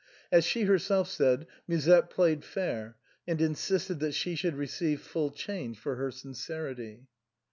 As she herself said. Musette played fair and insisted that she should receive full change for her sincerity.